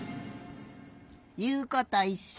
いうこといっしょ！